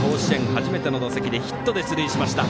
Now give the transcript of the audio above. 初めての打席でヒットで出塁しました。